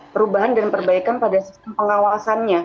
perubahan dan perbaikan pada sistem pengawasannya